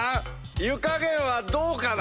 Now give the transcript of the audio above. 湯加減はどうかな？